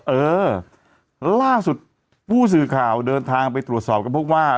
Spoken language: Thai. เออล่าสุดผู้สื่อข่าวเดินทางไปตรวจสอบก็พบว่า